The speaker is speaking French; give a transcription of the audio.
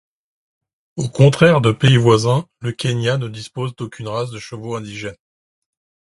Au contraire de pays voisins, le Kenya ne dispose d'aucune race de chevaux indigène.